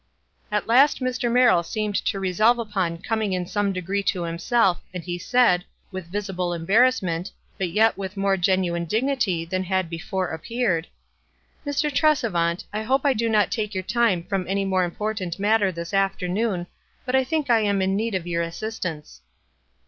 At last Mr. Merrill seemed to resolve upon coming in some degree to himself, and he said, with visible embarrassment, but yet with more genuine dignity than had before appeared, — "Mr. Tresevant, I hope I do not take your 200 WISE AND OTHERWISE. time from any more important matter this after noon, but I think I am in need of your assist anee."